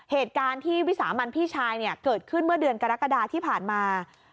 เหตุการณ์ที่วิสามันพี่ชายเนี่ยเกิดขึ้นเมื่อเดือนกรกฎาที่ผ่านมา